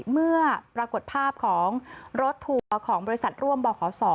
เมื่อปรากฏภาพของรถทูลของบริษัทร่วมบ่าขอสอ